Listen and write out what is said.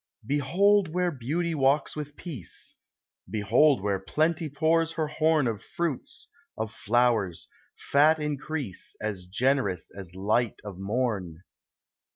Behold where Beauty walks with Peace ! Behold where Plenty pours her horn Of fruits, of flowers, fat increase, As generous as light of morn.